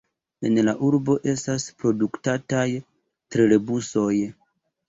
En la urbo estas produktataj trolebusoj.